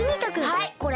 はいこれ。